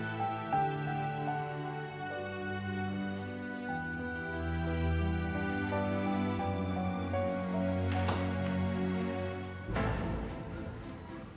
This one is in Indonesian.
risa pengen tidur